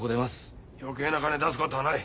余計な金出すことはない。